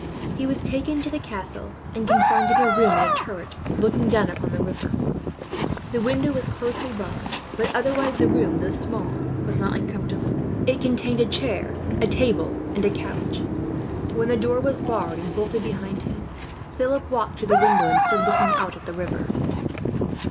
He was taken to the castle, and confined in a room in a turret, looking down upon the river. The window was closely barred, but otherwise the room, though small, was not uncomfortable. It contained a chair, a table, and a couch. [Illustration: Philip in prison.] When the door was barred and bolted behind him, Philip walked to the window and stood looking out at the river.